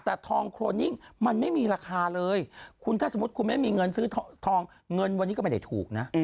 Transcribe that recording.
แต่ทองโครนิ่งมันไม่มีราคาเลยคุณถ้าสมมุติคุณไม่มีเงินซื้อทองเงินวันนี้ก็ไม่ได้ถูกนะ